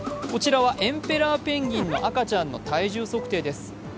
こちらはエンペラーペンギンの赤ちゃんの体重測定です。